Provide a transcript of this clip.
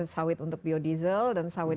sawit untuk biodiesel dan sawit